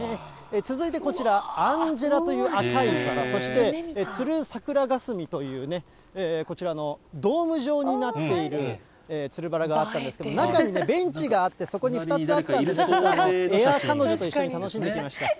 続いてこちら、アンジェラという赤いバラ、そしてつる桜霞というね、こちらのドーム状になっているつるバラがあるんですけれども、中にベンチがあって、そこに２つあったんですけれども、エア彼女と一緒に楽しんできました。